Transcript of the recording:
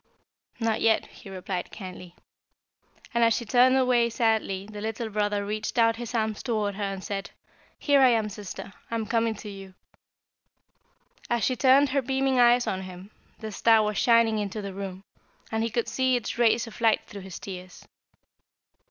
"'Not yet,' he replied kindly, and as she turned sadly away the little brother reached out his arms toward her, and said, 'Here I am sister; I am coming to you.' "As she turned her beaming eyes on him, the star was shining into the room, and he could see its rays of light through his tears.